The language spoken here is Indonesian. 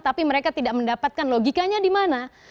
tapi mereka tidak mendapatkan logikanya di mana